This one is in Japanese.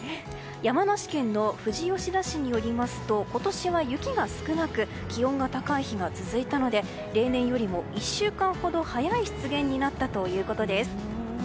山梨県の富士吉田市によりますと今年は雪が少なく気温が高い日が続いたので例年よりも１週間ほど早い出現になったということです。